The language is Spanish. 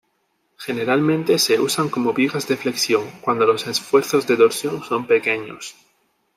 Generalmente se usan como vigas de flexión, cuando los esfuerzos de torsión son pequeños.